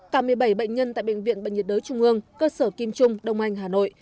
cả một mươi bảy bệnh nhân tại bệnh viện bệnh nhiệt đới trung ương cơ sở kim trung đông anh hà nội